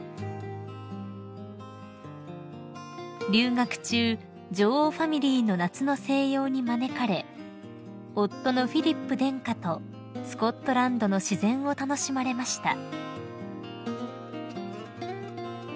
［留学中女王ファミリーの夏の静養に招かれ夫のフィリップ殿下とスコットランドの自然を楽しまれました］